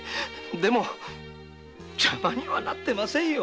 でも邪魔にはなってませんよ。